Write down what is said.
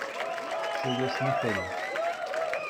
C’est le Sneffels.